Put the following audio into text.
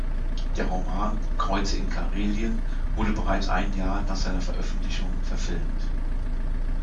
Der Roman "Kreuze in Karelien" wurde bereits ein Jahr nach seiner Veröffentlichung verfilmt.